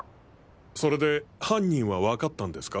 それで犯人は分かったんですか？